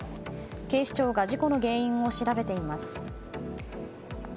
警視庁が事故の原因を調べています。